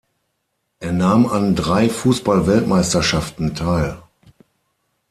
Er nahm an drei Fußball-Weltmeisterschaften teil.